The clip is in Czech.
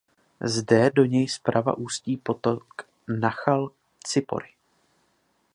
Zde do něj zprava ústí potok Nachal Cipori.